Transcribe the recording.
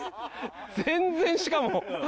全然しかも。